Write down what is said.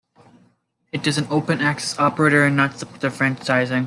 It is an open access operator and not subject to franchising.